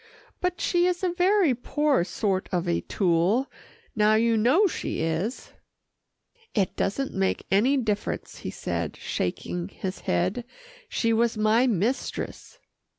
"But she is a very poor sort of a tool now you know she is." "It doesn't make any difference," he said, shaking his head, "she was my mistress."